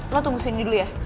lo tunggu sini dulu ya